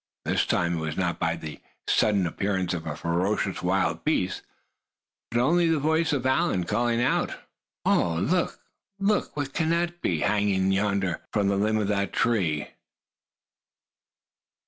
This time it was not by the sudden appearance of a ferocious wild beast, but only the voice of Allan calling out: "Oh! look! look! whatever can that be, hanging yonder from the limb of that tree?"